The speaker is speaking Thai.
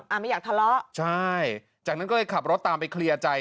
ไม่อยากทะเลาะใช่จากนั้นก็เลยขับรถตามไปเคลียร์ใจ